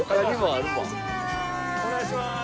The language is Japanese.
お願いします。